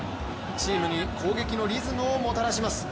チームに攻撃のリズムをもたらします。